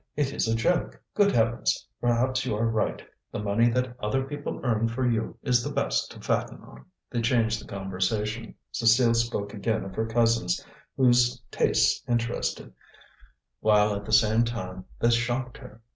it is a joke. Good heavens! Perhaps you are right; the money that other people earn for you is the best to fatten on." They changed the conversation. Cécile spoke again of her cousins, whose tastes interested, while at the same time they shocked her.